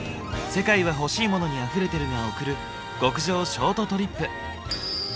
「世界はほしいモノにあふれてる」が贈る極上ショートトリップ。